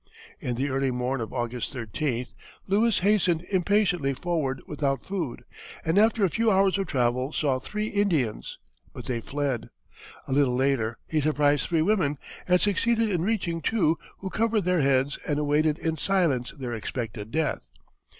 In the early morn of August 13, Lewis hastened impatiently forward without food, and after a few hours of travel saw three Indians; but they fled. A little later he surprised three women, and succeeded in reaching two, who covered their heads and awaited in silence their expected death.